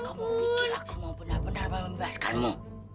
kamu pikir aku mau benar benar membebaskanmu